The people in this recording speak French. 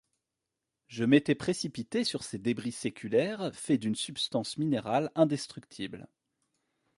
Je m’étais précipité sur ces débris séculaires faits d’une substance minérale indestructible.